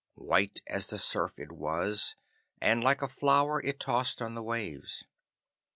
White as the surf it was, and like a flower it tossed on the waves.